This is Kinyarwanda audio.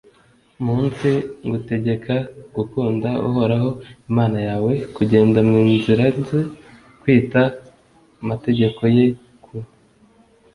munsi ngutegeka gukunda uhoraho imana yawe, kugenda mu nzira ze, kwita ku mategeko ye, ku